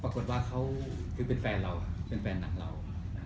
ปรากฏว่าเขาคือเป็นแฟนเราเป็นแฟนหนังเรา